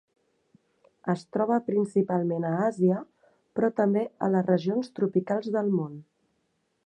Es troba principalment a Àsia però també a les regions tropicals del món.